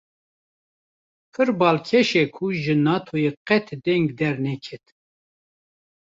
Pir balkêşe ku ji Natoyê qet deng derneket